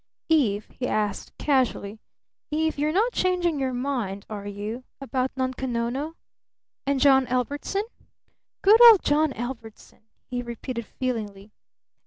"Eve," he asked casually, "Eve, you're not changing your mind, are you, about Nunko Nono? And John Ellbertson? Good old John Ellbertson," he repeated feelingly.